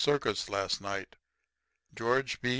circus last night. Geo. B.